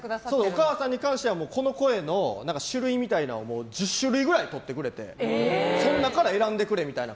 お母さんに関してはこの声の種類みたいなのを１０種類ぐらい撮ってくれてその中から選んでくれみたいな。